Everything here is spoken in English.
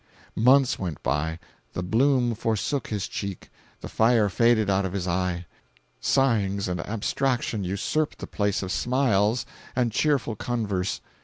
Months went by; the bloom forsook his cheek, the fire faded out of his eye; sighings and abstraction usurped the place of smiles and cheerful converse.